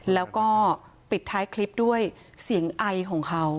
แล้วก็ปิดท้ายคลิปด้วยเสียงไอของเขา